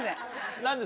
何です？